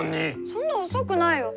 そんな遅くないよ。